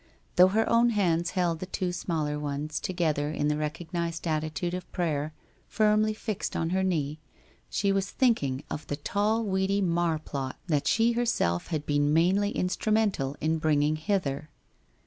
Though her own hands held the two smaller ones together in the recognized attitude of prayer, firmly fixed on her knee, she was thinking of the tall weedy marplot that she herself had been mainly instrumental in bringing hither.